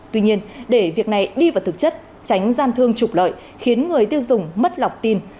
tuy nhiên để việc này đi vào thực chất tránh gian thương trục lợi khiến người tiêu dùng mất lọc tin